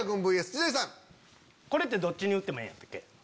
これってどっちに打ってもええんやったっけ？